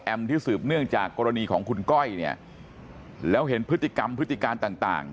ที่สืบเนื่องจากกรณีของคุณก้อยเนี่ยแล้วเห็นพฤติกรรมพฤติการต่าง